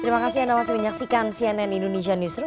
terima kasih anda masih menyaksikan cnn indonesia newsroom